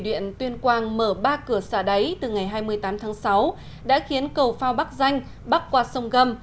điện tuyên quang mở ba cửa xả đáy từ ngày hai mươi tám tháng sáu đã khiến cầu phao bắc danh bắc qua sông gâm